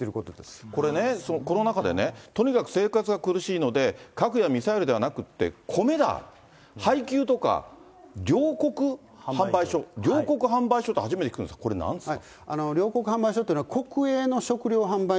これね、コロナ禍でとにかく生活が苦しいので、核やミサイルではなくって、コメだ、配給だとか、りょうこく販売所、糧穀販売所って、初めて聞くんですが、これはなんですか？